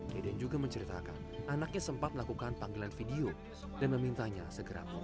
deden juga menceritakan anaknya sempat melakukan panggilan video dan memintanya segera pulang